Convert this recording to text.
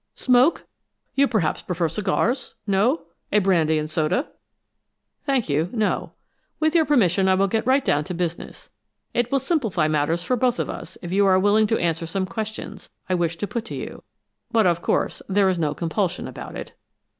"Smoke? You perhaps prefer cigars no? A brandy and soda?" "Thank you, no. With your permission, I will get right down to business. It will simplify matters for both of us if you are willing to answer some questions I wish to put to you; but, of course, there is no compulsion about it.